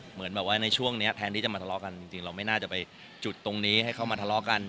เหมือนแบบว่าในช่วงนี้แทนที่จะมาทะเลาะกันจริงเราไม่น่าจะไปจุดตรงนี้ให้เข้ามาทะเลาะกัน